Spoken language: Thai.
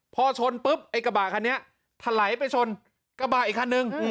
พอชนปุ๊บไอ้กระบะคันนี้ถลายไปชนกระบะอีกคันนึง